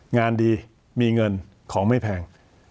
งานดีมีเงินของไม่แพง